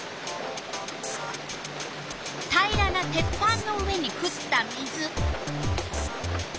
平らな鉄板の上にふった水。